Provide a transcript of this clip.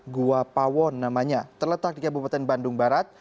gua pawon namanya terletak di kabupaten bandung barat